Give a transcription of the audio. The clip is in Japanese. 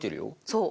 そう。